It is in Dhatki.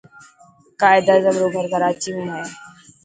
قائد اعظم رو گھر ڪراچي ۾ هي.